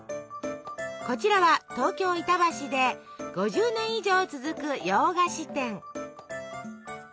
こちらは東京板橋で５０年以上続く洋菓子店。